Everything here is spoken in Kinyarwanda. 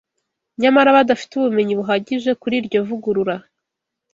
nyamara badafite ubumenyi buhagije kuri iryo vugurura